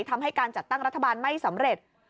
ทำให้การจัดตั้งรัฐบาลไม่สำเร็จ